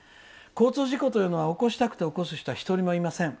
交通事故というのは起こしたくて起こす人は１人もいません。